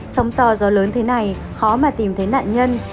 sóng to gió lớn thế này khó mà tìm thấy nạn nhân